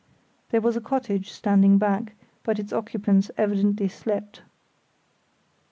(There was a cottage standing back, but its occupants evidently slept.)